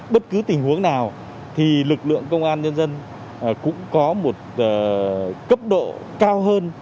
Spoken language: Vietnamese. bất cứ tình huống nào thì lực lượng công an nhân dân cũng có một cấp độ cao hơn